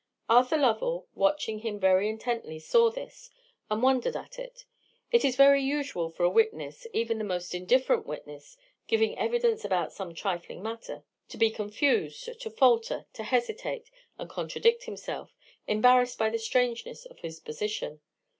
Arthur Lovell, watching him very intently, saw this, and wondered at it. It is very usual for a witness, even the most indifferent witness, giving evidence about some trifling matter, to be confused, to falter, and hesitate, and contradict himself, embarrassed by the strangeness of his position.